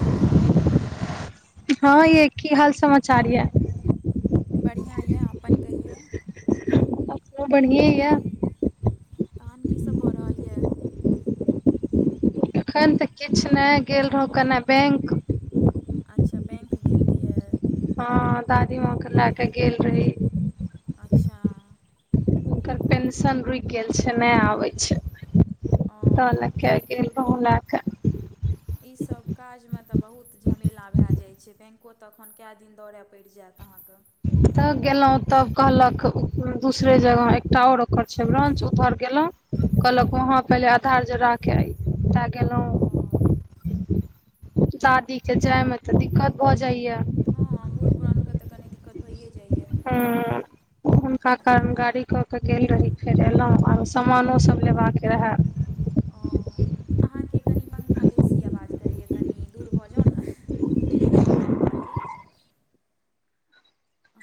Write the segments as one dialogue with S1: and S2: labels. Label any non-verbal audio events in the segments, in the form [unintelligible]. S1: Hello.
S2: हां ये की हाल-समाचार या।
S1: बढ़ियाँ यऽ अपन कहियौ।
S2: हमरो बढ़ियें या।
S1: तहन की सब भऽ रहल यऽ।
S2: एखन तऽ किछ नै गेल रहौ कने बैंक।
S1: अच्छा बैंक गेल रिहै।
S2: हां दादी माँ के लाए के गेल रही।
S1: अच्छा।
S2: हुनकर पेंशन रुक गेल छै नै आबै छै त लाए के।
S1: ओ
S2: एलौ ला के।
S1: ई सब काज मे तऽ बहुत झमेला भाए जाय छै, बैंको तखन काए दिन दौड़ाए पैड़ जाएत अहाँ के।
S2: तब गेलौ तब कहलक उ दूसरे जगह एकटा और ओकर छै ब्रांच उधर गेलौ। कहलक वहाँ
S1: ओ
S2: पहिले आधार जोड़ा के
S1: ओ।
S2: चादी के जाय मे तऽ दिक्कत भऽ जाइया
S1: हँ बूढ़ पुरानके त कनी दिक्कत भयै जाइए
S2: हँ हुनका कारण गाड़ी कऽ के गेल रही फेर एलहुं आर सामानो सब लेबाक रेह
S1: ओ अहाँके कनि पंखा बेसी आवाज करैए कनि दूर भऽ जाउ ने नहि त कनि कम क लिअ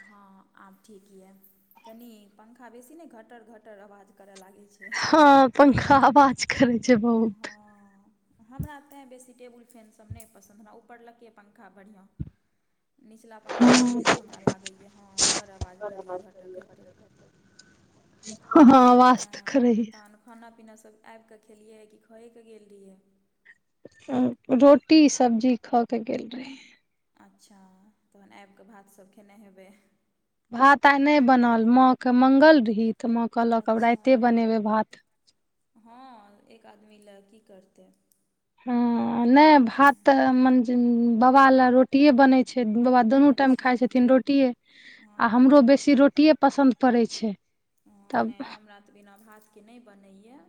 S1: हँ आब ठीक यए कनि पंखा बेसी नहि घटर घटर आवाज करय लागैत छै
S2: हँ पंखा हबा
S1: हँ। हमरा तैँ बेसी टेबुल फैनसभ नहि पसन्द हमरा ऊपरलकै पंखा बढ़िआँ निचला पंखा नहि नीक हमरा लागैए हँ बड़ड आवाज करैए घटर घटर
S2: ह आवाज़ तो
S1: तेँ
S2: करै या।
S1: तहन खाना पीना सब आबिक खेलियै कि खएके गेल रहियै।
S2: रोटी सब्जी खा के गेल रहीयै
S1: अच्छा तहन आबि कऽ भा तसभ खेने हेबै।
S2: भात आइ नहि बनल माँके मगंल रही त माँ कहलक आब
S1: अच्छा
S2: राते बनेबै भात
S1: हँ एक आदमी ल की करतै
S2: हँ नहि भात
S1: तेँ
S2: तऽ म बाबा लए रो रोटीे बनै छै बाबा दुनू टाइम
S1: अच्छा
S2: खाय छथिन रोटिये आ हमरो
S1: हँ
S2: बेसी रोटी रोटीए पसन्द पड़ैत छै। तब
S1: नहि हमरा तऽ बिना भातके नहि बनैए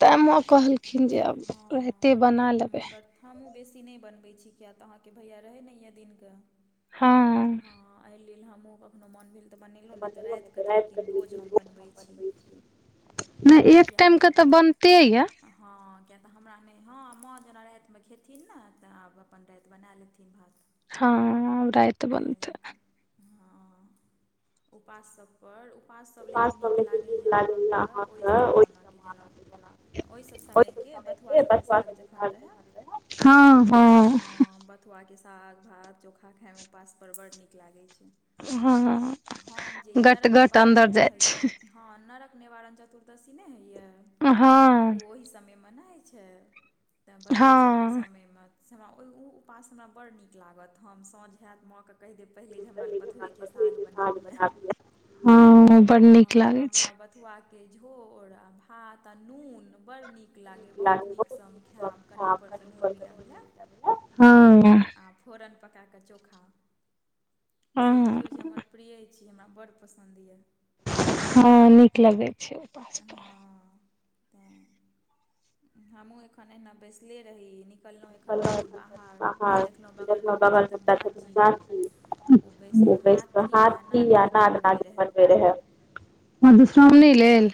S2: तैँ माँ कहलखिन जे आब राते बना लेबै।
S1: हमहुँ बेसी नहि बनबै छी किया तऽ अहाँके भैया रहै नहि यऽ दिनके हँ एहि लेल हमहुँ कोखनो मन भेल तऽ बनेलहुँ नहि तऽ रात कऽ तऽ लेकिन रोज हम बनबै छी।
S2: नहि एक टाइम के तऽ बनते यऽ।
S1: हँ। किएक तऽ हमरा नहि हँ माँ जेना रातिमे खेथिन ने तऽ आब अपन राति बना लेथिन भात
S2: हँ राति
S1: ताहि
S2: बनते
S1: लए कऽ हँ उपास सब पर उपाससभ लेकिन नीक लागैए अहाँके ओहि जमानाके जेना ओई सब समय के बथुआ सब के साग जेखन रहे।
S2: हँ हँ
S1: हऽ बथुआके साग भात चोखा खायमे उपास पर बड़ नीक लागै छै
S2: हँ
S1: हम जे ई
S2: गट
S1: नरक
S2: गट
S1: निवारण
S2: अन्दर
S1: नहि
S2: जाइ छै
S1: होइए।। हँ नरक निवारण चतुर्दशी नहि होइए
S2: हँ
S1: ओ ओहि मनाये छै ते बथुआ सब के
S2: हँ
S1: समय में। से हमरा ओ ओ उपवास हमरा बडड़ नीक लागत हम साँझ हयैत माँके कहि देब पहिले जे हमरा ल बथुएके साग बनाबिहे।
S2: हँ बड
S1: हँ
S2: नीक लागे
S1: हमरा बथुआ के झोर आ भात आ नून बड़ नीक। निक लगाए या बहुत निक स खायब कनी ऊपर स नून मिला- मिला
S2: हँ
S1: फोरन पकाकऽ चोखा से
S2: हँ
S1: बुझियऔ जे हमर प्रियै छी हमरा बड़ पसन्द यऽ।
S2: हँ नीक लग छै उपासप
S1: तऽ। हमहूँ एखन एना बैसले रही। निकललहुँ एखन कनि बाहर तऽ देखलहुँ बगलमे एकटा छथिन चाची ओ बैसि कऽ हाथी आ नाग नागिन बनबै रहय
S2: मधुश्रामनि लेल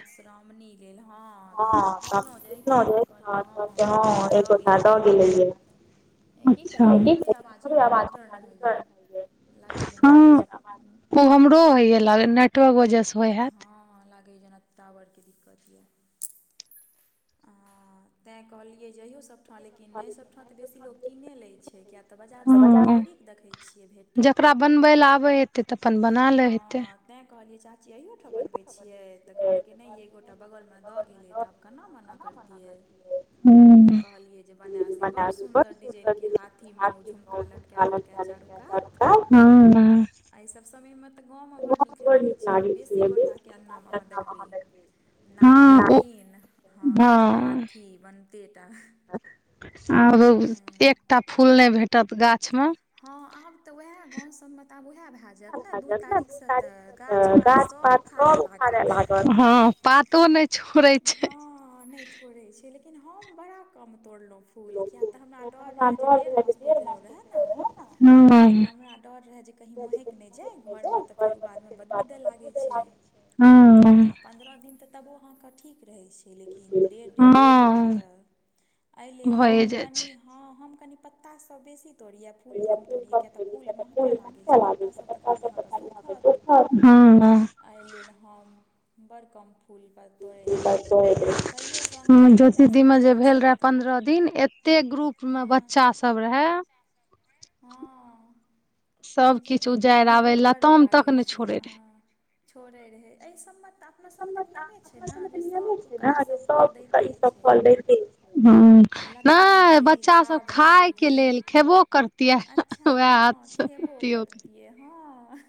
S1: मनी लेल हँ तऽ हम पुछलहुँ जे हँ तऽ कहलकै हँ एक गोटा दऽ गेलैयए यै की
S2: अच्छा
S1: कही हमरे आवाज हमरा रिटर्न होइए लागै जेना आवाज
S2: ऊ हमरो होइए लागैये नेटवर्क वजहसँ होइ हैत
S1: हँ लागैए जेना टावरके दिक्कत यऽ आ तैँ कहलियै जे इहो सब हॅं लेकिन एहि सभठाम तऽ बेसी लोक कीने लै छै किया तऽ बाजार सभमे ढेरिक देखै छियै भेटैत
S2: ओकरा बनबै लए आबै हेतै तऽ अपन बना लै हेतै
S1: तैँ कहलियै चाची अहियोठाम बनबै छियै तऽ कहलकै नहि यै एगोटा बगलमे दऽ गेलै तऽ आब केना मना करतियै तऽ
S2: हूँ
S1: कहलियै जे बनाय से बड़ सुन्दर डिजाइनके हाथीमे ओ झुमका लटका लटक
S2: [unintelligible] हँ
S1: एहिसभ समयमे तऽ गाँवमे बड़ नीक लागैत छै बेसी गोटाके अङ्गनामे अहाँ देखबै नाग
S2: हँ ओ
S1: नागिन हँ आ
S2: हँ
S1: हाथी बनते टा
S2: आर
S1: तेँ
S2: एकटा फूल नहि भेटत गाछ मे
S1: हँ आब तऽ वएह गाँव सबमे तऽ आब वएह भए जायत ने दू तारीखसँ तऽ गाछ पात सब उखाड़ऽ लागत
S2: हँ पातो नहि छोड़ै छै
S1: हँ नई छोड़ै छै लेकिन हम बड़ा कम तोड़लहुँ फूल किया तऽ हमरा डर रहै जे डेढ़ मास पुजलहुँ रहय ने तऽ
S2: हँ
S1: हमरा डर रहे जे कही महकि नहि जाइ घरमे तऽ फेर ओ बादमे बदबू दय लागै छै
S2: हँ
S1: आ पन्द्रह दिन तऽ तबो अहाँके ठीक रहै छै लेकिन डेढ़ महिना
S2: हँ
S1: तक एहि लेल
S2: भए
S1: हम
S2: जाइ
S1: कनी
S2: छै
S1: हॅं हम कनी पत्ता सब बेसी तोड़ियै फूल कम तोड़ियै कियै तऽ फूल महकै लागै छै पत्तासभ तऽ खाली अहाँके सूखत
S2: हँ हँ
S1: एहि लेल हम बड़ कम फूल पात तोड़ैत रहियै तैयो स
S2: ज्योति दी मे जे भेल रहय पन्द्रह दिन एते ग्रुप में
S1: हँ
S2: बच्चा सब रहै
S1: हँ नहि
S2: सब
S1: जे
S2: किछु
S1: कहियौ
S2: उजारि
S1: मोन
S2: आबे
S1: बड़
S2: लताम तक
S1: लागै
S2: ने
S1: छै
S2: छोड़े
S1: हँ
S2: रहे
S1: छोड़ै रहै एहि सभमे तऽ अपना सबऽ मे नियमे छै ने जे सब कऽ इ सब फल दैते
S2: हँ
S1: छै लताम
S2: नहि
S1: भेल
S2: बच्चा सब
S1: टाभ नेबो
S2: खाय के
S1: भेल
S2: लेल खेबो करतियै
S1: अच्छा
S2: वएह
S1: हँ
S2: हाथ से
S1: खेबो
S2: अथियो
S1: करतियए हँ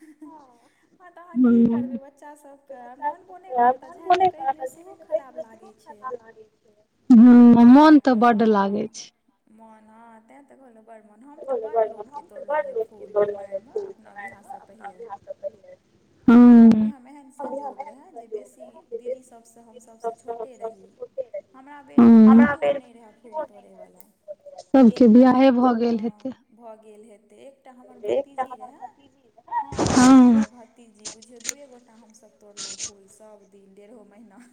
S1: हँ तऽ अहाँ की
S2: हूँ
S1: करबै बच्चा सभके मानबो नहि करत आ झाड़ि कऽ कहि दियौ सेहो खराब लागै छै
S2: हँ
S1: एहि लए
S2: मोन तऽ
S1: कऽ
S2: बड्ड
S1: हँ
S2: लागै छै
S1: मोन हॅं तैं तऽ कहलहुँ बड़ मोन हम तऽ बड़ लोकके तोड़लहुं यए फूल कुमारि मे अपना बिआहसँ पहिले आ
S2: हँ
S1: हमरा बिआहमे एहन संयोग रहै जे बेसी दीदी सबसँ हम सभसँ छोटे रही हमरा बेरमे
S2: हमरा
S1: किओ
S2: बेर मे
S1: नहि रहय फूल
S2: कियो नहि
S1: तोड़यवला
S2: रहतै। सबके
S1: एक टा
S2: बियाहे
S1: मारतै
S2: भऽ गेल
S1: हॅं
S2: हेतै
S1: भऽ गेल हेतै एकटा हमर भतीजी रहय हम आ हमर भतीजी जी बुझियौ दुइए गोटा हमसब तोड़लहुँ फूल सब दिन डेढ़ो महिना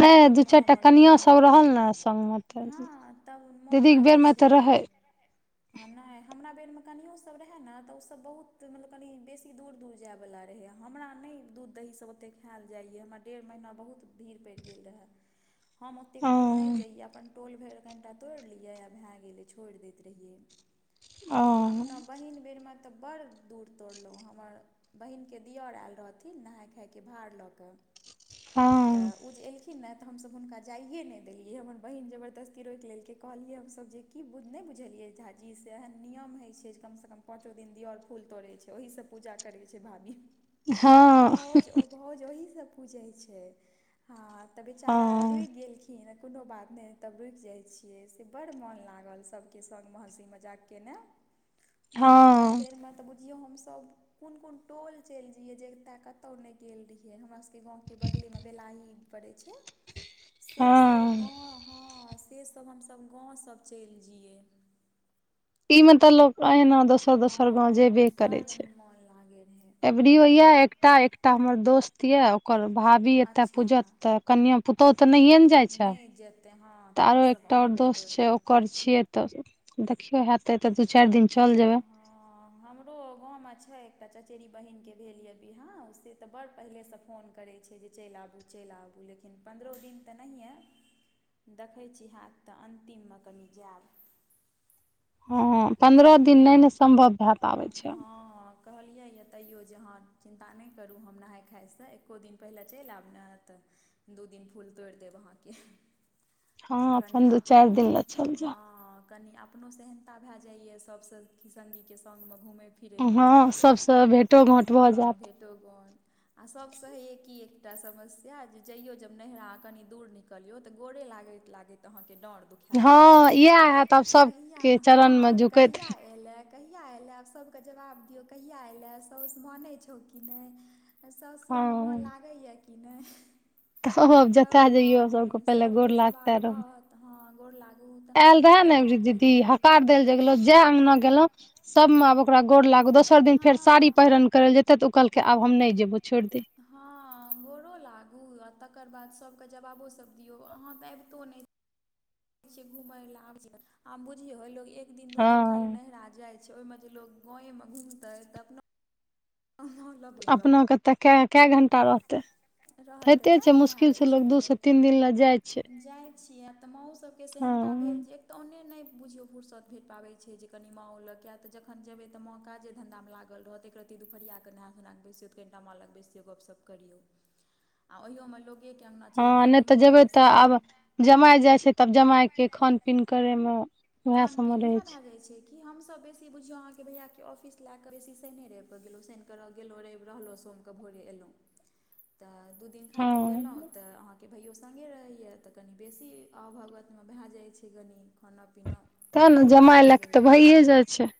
S2: नहि दू चारि टा
S1: हमर
S2: कनिया
S1: बहीन
S2: सब रहल ने संगमे
S1: [unintelligible]
S2: तऽ
S1: हँ तब मोन
S2: दीदीके
S1: लागै
S2: बेरमे
S1: छै
S2: तऽ रहै
S1: हां नै हमरा बेर मे कनियो सब रहै नै तऽ उ सब बहुत मतलब कनि बेसी दूर-दूर जाए बला रहय हमरा नै दूध दही सब ओते खैल जाए यै हमरा डेढ़ महीना बहुत भीड़ पैड़ गेल रहै, हम ओतेक
S2: ओ
S1: दूर नै जइयै अपन टोल भेर कैनटा तोएड़ लियै आ भै गेलय छोएड़ दैत रहियै
S2: ओ
S1: आ अपना बहिन बेर मे तऽ बड़ दूर तौड़लौ हमर बहिन के दियर ऐल रहथिन नहाए खाय के भार लऽ कै तै
S2: हँ
S1: ऐलखिन नै तऽ हम सब हुनका जाइए नै देलियै हमर बहिन जबरदस्ती रोएक लेलकै कहलियै हम सब जे की नै बुझलियै झाजी से एहेन नियम हय छै जे कम से कम पाँचो दिन दिअर फूल तोड़य छै ओहि से पूजा करय छै भाभी,
S2: हँ
S1: भौज अ भौज ओहि से पूजय छै। हां तै बेचारा
S2: हँ
S1: रुक गेलखिन। ई नै कुनो बात नै तब रुक जाए छियै से बड़ मौन लागल सबके संग मे हँसी मजाक केनाए दीदी मे
S2: हँ
S1: बेर में तै बुइझ जे हम सब कुन-कुन टोल चैल जइयै जतय कतौ नै गेल रीहय हमरा स के गाँव के बगले मे बेलाही पड़य छै से सब
S2: हँ
S1: गाअ हां से सब हम सब गाँव सब चैल जीए।
S2: इ में तै लोक अहिना दोसर-दोसर गांव जेबे करय छै।
S1: मन लागे
S2: ऐबरियो यै एकटा-एकटा हमर दोस्त यै ओकर भाभी एतय
S1: अच्छा
S2: पुजत तै कनिया पुतोह तै नहिए नै जाए छै।
S1: नहि जेतै हँ
S2: तऽ आरो
S1: अहाँसभ
S2: एकटा और
S1: अनबै
S2: दोस
S1: तोड़ि
S2: छै
S1: कऽ
S2: ओकर छियै तऽ देखियौ हैत तै हेतय तै दू चाएर दिन चैल जेबय।
S1: हां। हमरो गाँव मे छै एकटा चचेरी बहिन के भेल यै बियाह से तै बड़ पहिले से फोन करय छै जे चैल आबू, चैल आबू लेकिन पन्द्रौ दिन तै नहिए देखय छी हैत तऽ अन्तिम मे कनि जाएब
S2: हां पंन्द्रा दिन नै-नै सम्भव भै
S1: हां-हां। कहलिए यै तईयो जे अहां चिन्ता नै करू हम नहाए खाय से एको दिन पहिले चैल ऐब नै तऽ दूई दिन फूल तोएड़ देब अहाँ के।
S2: हँ
S1: आ कनि
S2: अपन दू
S1: अपनो
S2: चारि दिन लए चलि
S1: हां। कनी अपनो सेहनता भै जाए यै सबसे संगि के संग मे घुमय फिरय
S2: जायब
S1: मे
S2: हँ सबसँ भेंटो घाँट भऽ
S1: हां
S2: जायत
S1: भेटोघाट। आ सबसे हय की एकटा समस्या जे जइयौ जब नैहरा कनि दूर निकैल निकलियौ तऽ गोड़े लागैत-लागैत अहां के डार दुख खै
S2: हँ
S1: जाएब
S2: इएह हैत आब सब
S1: कहिया
S2: के चरण मे
S1: हां
S2: झुकैत
S1: कहिया ऐलय? कहिया एलाए सबके जवाब दियौ, कहिया एलाए सौस मानै छौ की नै? ए
S2: हँ
S1: सासुर मे मोन लागय यै कि नै?
S2: आब
S1: तब
S2: जतय जइयो
S1: हां
S2: पहिले गोर
S1: सबके सवाल रहत हां गोर लाग
S2: ऐल रहय नै एबैरी दीदी हकार दै लै जे गेलो जाय अंगना गेलौ सबमें आब ओकरा गोड़ लागू दोसर दिन फेर साड़ी
S1: हँ
S2: पहिरन करय लै जेतय तऽ उ कहलकै आब हम नै जेबौ छोएड़ देही।
S1: हां गोरो लागू आ तकर बाद सबके जवाबों सब दियौ अहाँ तै ऐबतो नै छीयै घूमय ले आब आ बुझियोे लोग एक दिन दू दिन खाली
S2: हँ
S1: नैहरा जाय छै छै ओय मे जे लोग गाए मे घुमतै तै अपना अहां लग
S2: अपना कतय कै-कै घण्टा रहतै।
S1: रहतै
S2: होइते
S1: ते
S2: छै
S1: न
S2: मुश्किल
S1: धारे
S2: से लोग
S1: छै,
S2: दू से तीन दिन लए जाइ छै
S1: जाइ छियै आब तऽ मांओ सब के
S2: हँ
S1: सेहेनता भेल जे तहने नय बुझियौ फुर्सत भेट पाबै छै, जे कनि माँ ओ लग किये त जखन जेबै तऽ माँ काजे धंधा में लागल रहतै। रति दुपहरिया क नहा सुना क बैसियो, त कनिता मां लग बैसयौ, गप सप करियौ आ ओहियो मे लोग एक अंगना चलि
S2: हँ
S1: जेबे
S2: नहि
S1: घुमय ले
S2: जेबै
S1: तऽ समय
S2: आब जमाइ जाइ छै, तब जमाय के खान पीन करै मे।
S1: खान पीन वैह भे जाइ छै। कि हमसब बेसी बुझियौ, अहाँ के भैया के ऑफिस ले कऽ बेसी शइने रवि कऽ गेलहुँ, शनिकऽ रह गेलहुँ रवि रहलहु सोम क‌ भोरे ऐलोंह, त दु दिन खातिर गेलु
S2: हँ
S1: त अहां के भैयो संगे रहैया, तऽ कनि बेसी आउ भगत में भे जाइ छै, कनी खाना- पीना
S2: तें न जमाइ
S1: करैत
S2: ले कऽ तऽ
S1: धरैत
S2: भइये जाइ छै।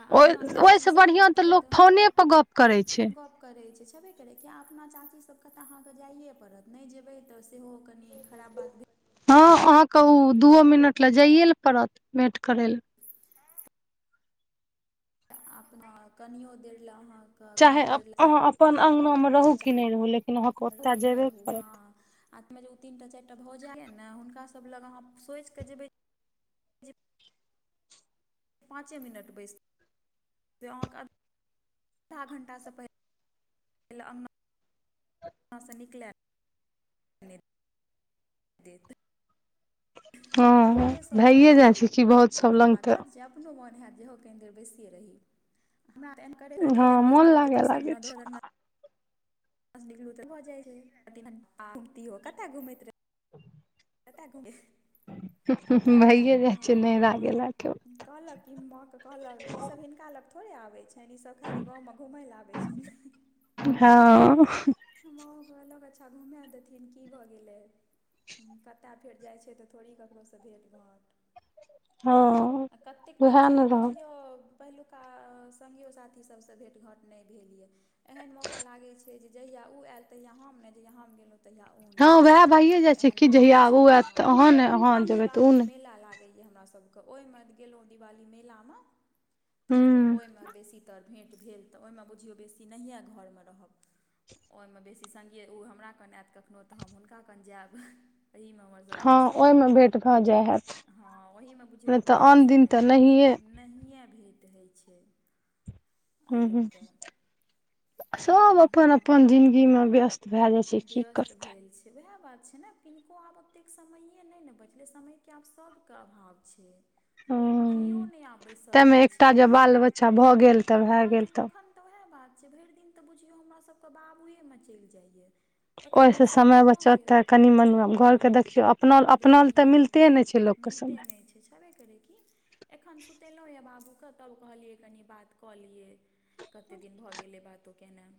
S1: आ
S2: ओय
S1: अपना
S2: ओहिसँ
S1: चाचीसभ
S2: बढ़िआँ तऽ
S1: कतय
S2: लोक फोने पर गप करै छै।
S1: गप्प करै छै, छेबे करै कि अपना चाची सबके तऽ अहाँ के जाइये परत। नहि जेबै तऽ, सेहो कनी खराब बात भे
S2: हँ अहाँके उ दूओ मिनट ले जाइए ले पड़त भेट करय ले।
S1: अपना कनियो देर ले। अहाँ क
S2: चाहे
S1: कनि देर ले
S2: अहाँ
S1: जेब,
S2: अपन अङ्गनामे
S1: अपन
S2: रहू
S1: चचा
S2: कि
S1: के
S2: नहि रहू लेकिन अहाँके
S1: रहू
S2: ओतय
S1: कि नहि
S2: जेबे
S1: रहू
S2: करत
S1: हांऽ आत में जे उ तीन ता चारि टा भ जायेया न, हुनका सब लग अहां सोच क जे बय पाँचे मिनट बैस से अहाँ के अध धा घण्टा स पहिेले अंगना ना स निकले ने देत।
S2: हँऽ भये जाय छै कि बहुत सभ लग तऽ
S1: भागाद जे अपनो मोन हैत, जे हो कनि देर बयसिये रही। हमरा त एहेन करय के रहतय, एक
S2: हँ
S1: अंगना
S2: मोन
S1: स निकलब त
S2: लागे
S1: दोसर
S2: लागे
S1: अंगना दोसर
S2: छै
S1: अंगना गना स निकलु त भ जाय छय, अतेनीन घुमती हो, कत घुमेत रहे
S2: [inaudible]
S1: कत घुमे,
S2: भइए जाइ छै नहिरा
S1: हँ
S2: गेला के बाद।
S1: कहलक इ मां के कहलक जे ई सब हिनका लग थोड़े आबै छनि, ई सब खाली गांव में घुमय ले आबेय छयेन।
S2: हँ
S1: मांओ कहलक, अच्छा घुमे देथिन की भऽ गेलै। कतऽ फेर जाइ छै, तऽ थोड़ी ककरो स भेंट- भांट
S2: हँ
S1: आ कते
S2: उएह
S1: दिनस
S2: ने
S1: तऽ
S2: रहल
S1: बुझियौ पहिलुका संगी साथी सबस भेट घांट नहि भेल ये, एहन मौका लागै छै जे जहिया ओ येल, तहिया हम नहि, जहिया हम गेलहुँ तहिया ओ
S2: हँ
S1: नहि
S2: उऐह भइए जाइ छै
S1: एहन
S2: की,
S1: भऽ
S2: जहिया
S1: जाइत छै
S2: उ ऐत तऽ
S1: हँ
S2: अहाँ ने, अहाँ जेबै तऽ उ
S1: दिवाली
S2: नहि।
S1: मेला लागये हमरा सबके, ओहिमे गेलहुँ दिवाली मेला में तऽ फेर
S2: हूँ
S1: ओहिमे बेसीतर भेँट भेल, तऽ ओहिमे बुझियौ बेसी नहिये घर में रहब। ओहिमे बेसी संगीये, ओ हमरा कन ऐत कखनहु, तऽ हम हुनका कन जेब, एही में हमर
S2: हँ
S1: सबके समय
S2: ओहिमे
S1: पार,
S2: भेट भऽ जाइ हैत
S1: हं वही में बुझयो
S2: नहि तऽ
S1: बेसी
S2: आन दिन
S1: समय
S2: तऽ
S1: पार
S2: नहिए
S1: नहिये भेट होइ छै।
S2: हं
S1: एहि लऽ
S2: -हं,
S1: कऽ
S2: सब अपन-
S1: तेँ
S2: अपन जिन्दगी मे व्यस्त भे जाइ छै, की करतै
S1: वैह बात छै ने, किनको आब ओतेक समयये नहि न बचलै, समयके आब सभके अभाव छै। किओ
S2: हूँ
S1: नहि आब बैसल
S2: ताहिमे
S1: रहय छै
S2: एकटा जे बाल
S1: न,
S2: बच्चा भऽ गेल तऽ भए
S1: भऽ गेल तखन तऽ वैह बात छै, भरि दिन तऽ बुझियौ हमरा सभके बाबुये में चलि जाइये।
S2: ओहि से समय बचत ते कनि मनी घर
S1: हँ
S2: के देखियौ अपना अपना ले तऽ
S1: देखियौ
S2: मिलते ने छै।। छै लोक के
S1: मिलते
S2: समय।
S1: नहि छेबे करै कि एखन सुतेलहुँ यऽ बाबूके तब कहलियै कनि बात कऽ लियै। कते दिन भऽ गेलै बातो केनाइ।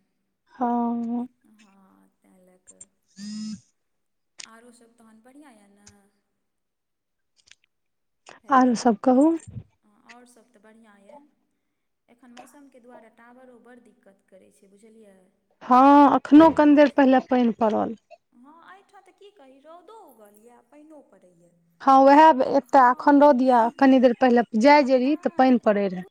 S2: हँ।
S1: हँ तैंहि लए कऽ।
S2: ह [inaudible]
S1: आओरो सब तहन बढ़िआँ यऽ ने। हेलो
S2: आरो सब कहू
S1: हँ आओर सभ तऽ बढ़िआँ यए। एखन मौसम के द्वारे टाॉवरो बड़्ड दिक्कत करैत छै बुझलियै।
S2: हँ एखनो कनि देर
S1: आवाज
S2: पहिले पईन पड़ल।
S1: हँ एहिठा तऽ की कही रौदो उगल यए पईनो पड़ैए।
S2: हँ उएह एते
S1: हँ
S2: अखन रौद याअ कनी देर पहिले जाय जे रहहि तऽ पानि
S1: नहि
S2: पड़ै
S1: ओ
S2: रहै।